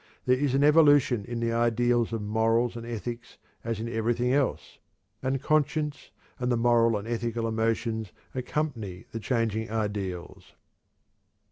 There is an evolution in the ideals of morals and ethics as in everything else, and "conscience" and the moral and ethical emotions accompany the changing ideals.